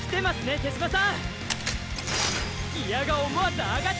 手嶋さん！